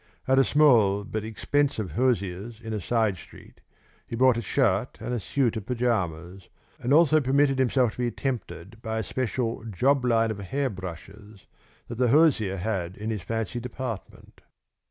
At a small but expensive hosier's in a side street he bought a shirt and a suit of pajamas, and also permitted himself to be tempted by a special job line of hair brushes that the hosier had in his fancy department.